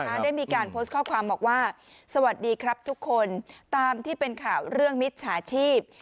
ได้มีการโพสต์ข้อความบอกว่าสวัสดีครับทุกคนตามที่เป็นข่าวเรื่องมิจฉาชีพ